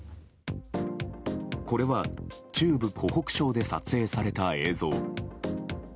これは中部・湖北省で撮影された映像。